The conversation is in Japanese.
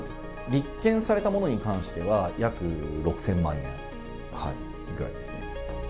立件されたものに関しては、約６０００万円ぐらいですね。